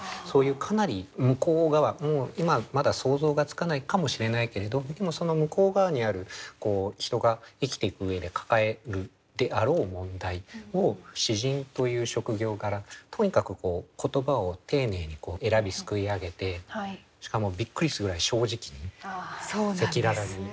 そういうかなり向こう側今はまだ想像がつかないかもしれないけれどその向こう側にある人が生きていく上で抱えるであろう問題を詩人という職業柄とにかく言葉を丁寧に選びすくい上げてしかもびっくりするぐらい正直に赤裸々に。